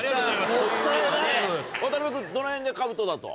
渡辺君どの辺で兜だと？